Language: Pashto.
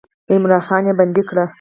عمرا خان یې بندي کړ.